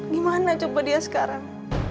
gimana coba dia sekarang